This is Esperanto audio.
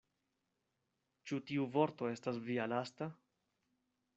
Ĉu tiu vorto estas via lasta?